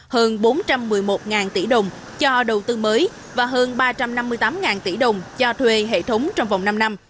hơn bốn trăm một mươi một tỷ đồng cho đầu tư mới và hơn ba trăm năm mươi tám tỷ đồng cho thuê hệ thống trong vòng năm năm